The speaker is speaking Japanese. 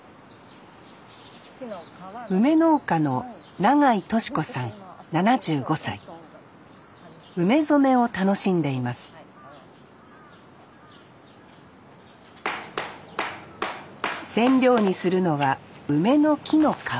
梅農家の梅染めを楽しんでいます染料にするのは梅の木の皮。